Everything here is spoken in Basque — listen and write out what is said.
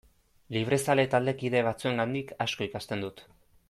Librezale taldekide batzuengandik asko ikasten dut.